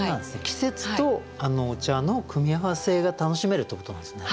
季節とお茶の組み合わせが楽しめるということなんですね。